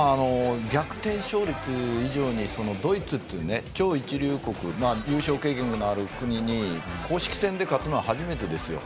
逆転勝利という以上にドイツという超一流国優勝経験のある国に公式戦で勝つのは初めてですよ